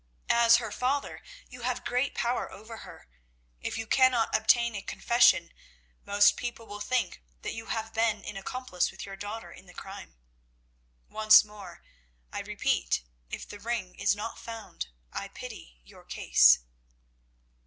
As her father you have great power over her. If you cannot obtain a confession, most people will think that you have been an accomplice with your daughter in the crime. Once more, I repeat, if the ring is not found, I pity your case."